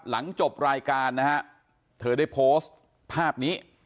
หลังจบรายการนะฮะเธอได้โพสต์ภาพนี้